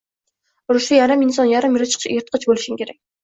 Urushda yarim inson, yarim yirtqich bo`lishing kerak